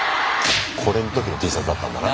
これの時のＴシャツだったんだな。